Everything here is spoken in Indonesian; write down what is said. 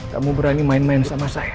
kamu berani main main sama saya